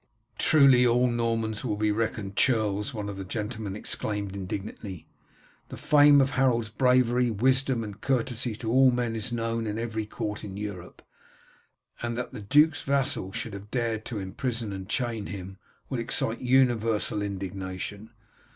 "Truly all Normans will be reckoned churls," one of the gentlemen exclaimed indignantly. "The fame of Harold's bravery, wisdom, and courtesy to all men is known in every court in Europe, and that the duke's vassal should have dared to imprison and chain him will excite universal indignation.